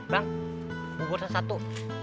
bang bubur sesatu